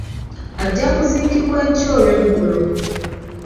Ajja kuziikibwa enkya olweggulo.